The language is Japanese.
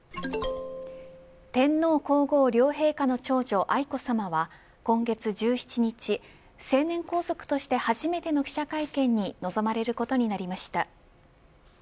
天皇皇后両陛下の長女愛子さまは今月１７日成年皇族として初めての記者会見に臨まれることになりました。